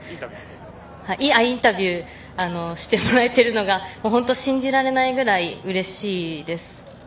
インタビューしてもらえているのが本当に信じられないぐらいうれしいです。